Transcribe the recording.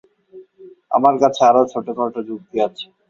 আমার কাছে আরো ছোটখাটো যুক্তি আছে।